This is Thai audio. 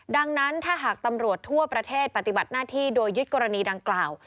ดังนั้นถ้าหากตำรวจทั่วประเทศปฏิบัติหน้าที่โดยยึดกรณีดังกล่าว